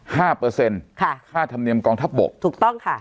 เปอร์เซ็นต์ค่ะค่าธรรมเนียมกองทัพบกถูกต้องค่ะ